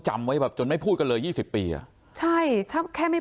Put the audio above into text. จำไว้แบบจนไม่พูดกันเลยยี่สิบปีอ่ะใช่ถ้าแค่ไม่